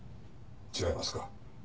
違いますか？」